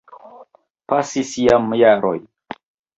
Pasis jam jaroj.